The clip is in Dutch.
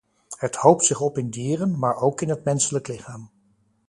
Het hoopt zich op in dieren, maar ook in het menselijk lichaam.